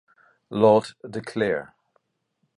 Lord de Clare.